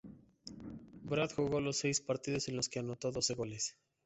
Brand jugó los seis partidos en los que anotó doce goles.